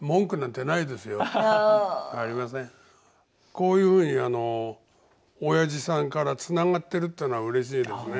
こういうふうにあの親父さんからつながってるっていうのはうれしいですね。